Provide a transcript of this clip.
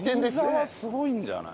銀座はすごいんじゃない？